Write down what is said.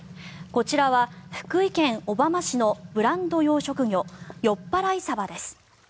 こちらは福井県小浜市のブランド養殖魚よっぱらいサバです。